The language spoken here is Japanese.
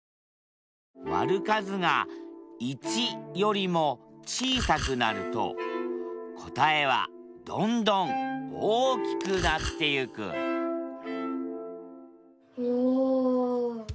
割る数が１よりも小さくなると答えはどんどん大きくなってゆくおお！